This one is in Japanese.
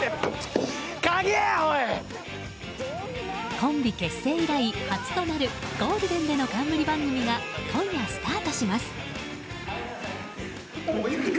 コンビ結成以来初となるゴールデンでの冠番組が今夜、スタートします。